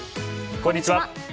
こんにちは。